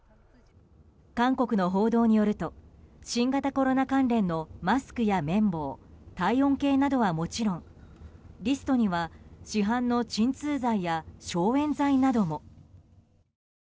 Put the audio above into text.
韓国の報道によると新型コロナ関連のマスクや綿棒体温計などはもちろんリストには市販の鎮痛剤や消炎剤なども。